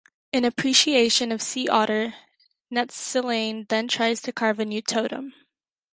In appreciation of Sea otter, Natsilane then tries to carve a new totem.